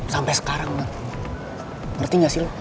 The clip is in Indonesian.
sampe sekarang ngerti gak sih lo